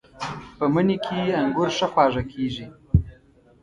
په مني کې انګور ښه خواږه کېږي.